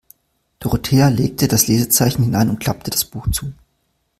Dorothea legte das Lesezeichen hinein und klappte das Buch zu.